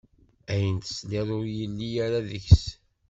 Ayen tesliḍ ur yelli ara deg-s!